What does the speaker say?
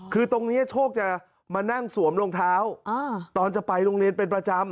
คือตรงนี้โชคจะมานั่งสวมรองเท้าตอนจะไปโรงเรียนเป็นประจำ